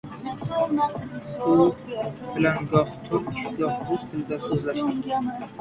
U bilan goh turk, goh rus tilida so‘zlashdik.